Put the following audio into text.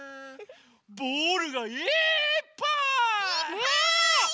ボールがいっぱい！